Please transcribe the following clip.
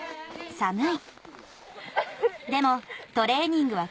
寒い！